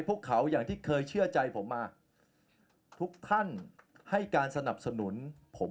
พวกเขาอย่างที่เคยเชื่อใจผมมาทุกท่านให้การสนับสนุนผม